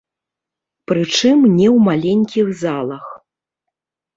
Прычым не ў маленькіх залах.